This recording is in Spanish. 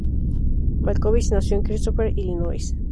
Malkovich nació en Christopher, Illinois.